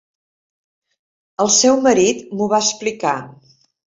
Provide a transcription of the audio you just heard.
El seu marit m'ho va explicar.